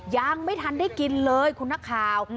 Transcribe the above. ยังไม่ทันได้กินเลยคุณนักข่าว